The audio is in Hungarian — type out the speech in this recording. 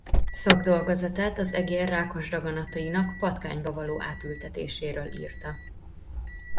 Szakdolgozatát az egér rákos daganatainak patkányba való átültetéséról írta.